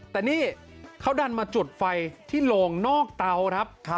แต่นี่เขาดันมาจุดไฟที่โลงนอกเตาครับ